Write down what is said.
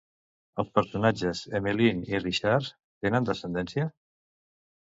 Els personatges Emmeline i Richard tenen descendència?